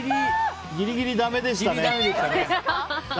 ギリギリだめでしたね。